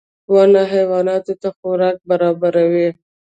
• ونه حیواناتو ته خوراک برابروي.